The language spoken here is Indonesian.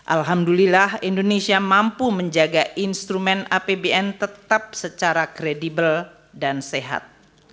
alhamdulillah indonesia mampu menjaga instrumen apbn tetap secara kredibel dan sehat